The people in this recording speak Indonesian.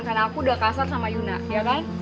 karena aku udah kasar sama yuna ya kan